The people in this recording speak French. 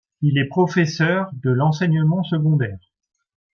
Il est professeur de l'enseignement secondaire.